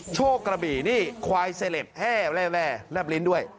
โชกระบี่นี่ควายเซลปแห้แร่แร่แร่บลิ้นด้วย